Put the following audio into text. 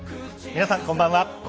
皆さんこんばんは。